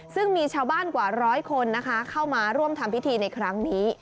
ซึ่งมีชาวบ้านกว่าร้อยคนนะคะเข้ามาร่วมทำพิธีในครั้งนี้